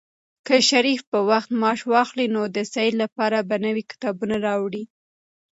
که شریف په وخت معاش واخلي، نو د سعید لپاره به نوي کتابونه راوړي.